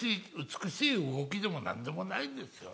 美しい動きでも何でもないんですよ。